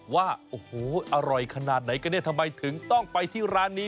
ว่าโอ้โหอร่อยขนาดไหนกันเนี่ยทำไมถึงต้องไปที่ร้านนี้